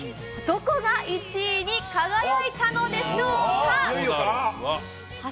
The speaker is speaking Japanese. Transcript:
どこが１位に輝いたのでしょうか。